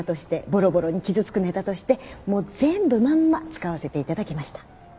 ぼろぼろに傷つくネタとして全部まんま使わせていただきました。